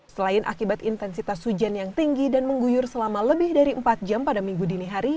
selain akibat intensitas hujan yang tinggi dan mengguyur selama lebih dari empat jam pada minggu dini hari